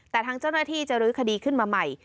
แต่ทางเจ้าหน้าที่จะรื้อคดีขึ้นมาใหม่